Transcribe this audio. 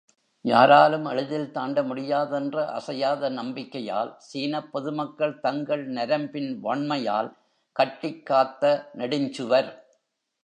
யாராலும் எளிதில் தாண்டமுடியாதென்ற அசையாத நம்பிக்கையால் சீனப் பொதுமக்கள் தங்கள் நரம்பின் வண்மையால் கட்டிக்காத்த நெடுஞ்சுவர்.